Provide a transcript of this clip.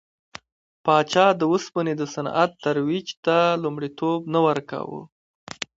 پاچا د اوسپنې د صنعت ترویج ته لومړیتوب نه ورکاوه.